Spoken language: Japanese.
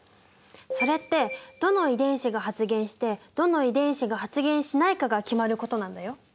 それってどの遺伝子が発現してどの遺伝子が発現しないかが決まることなんだよ。